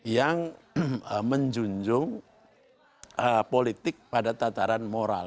yang menjunjung politik pada tataran moral